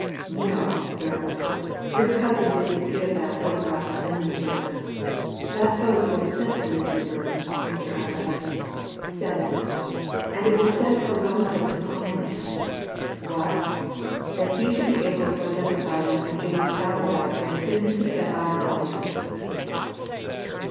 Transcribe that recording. No, sir, your cousin didn't give that photo to Lydenberg. That photo was sent to Lydenberg, Mr. Allerdyke sent! And it was sent for one purpose only. What? That he should be able to identify Mr. James Allerdyke as soon as he set eyes on him!"